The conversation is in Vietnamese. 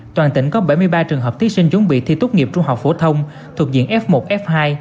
toàn tỉnh có bảy mươi ba trường hợp thí sinh chuẩn bị thi tốt nghiệp trung học phổ thông thuộc diện f một f hai